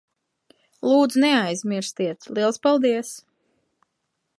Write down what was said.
Lūdzu, neaizmirstiet. Liels paldies.